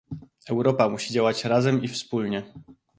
Europa musi działać razem i wspólnie